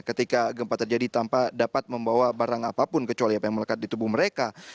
ketika gempa terjadi tanpa dapat membawa barang apapun kecuali apa yang melekat di tubuh mereka